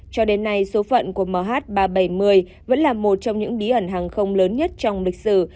cho đến nay số phận của mh ba trăm bảy mươi vẫn là một trong những bí ẩn hàng không lớn nhất trong lịch sử